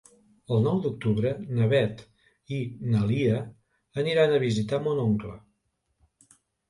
El nou d'octubre na Beth i na Lia aniran a visitar mon oncle.